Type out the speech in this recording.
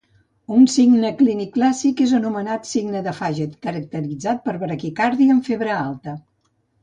Un signe clínic clàssic és l'anomenat signe de Faget, caracteritzat per bradicàrdia amb febre alta.